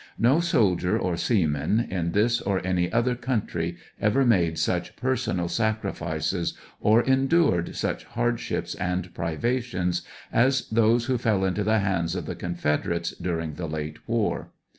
No soldier or seaman, in this or any other country, ever made such personal sacriiices or endured such hard ships and privations as those who fell into the hands of the Confed erates during the late war.